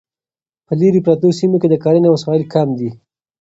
په لیرې پرتو سیمو کې د کرنې وسایل کم دي.